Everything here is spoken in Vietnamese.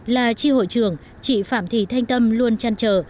là tri hội trưởng chị phạm thị thanh tâm luôn chăn trở